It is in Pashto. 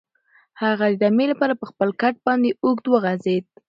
هغه د دمې لپاره په خپل کټ باندې اوږد وغځېد.